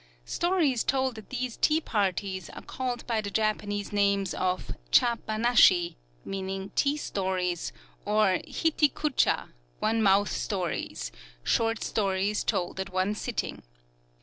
Stories told at these tea parties are called by the Japanese names of Châ banashi, meaning tea stories, or Hiti Kuchá "one mouth stories," short stories told at one sitting.